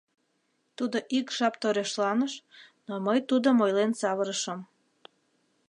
Тудо ик жап торешланыш, но мый тудым ойлен савырышым.